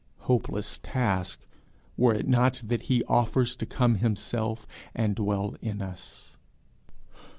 Hopeless task! were it not that he offers to come himself, and dwell in us.